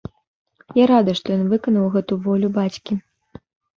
Я рада, што ён выканаў гэту волю бацькі.